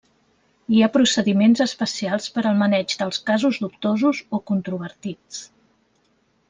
Hi ha procediments especials per al maneig dels casos dubtosos o controvertits.